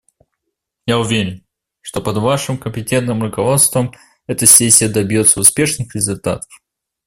Я уверен, что под Вашим компетентным руководством эта сессия добьется успешных результатов.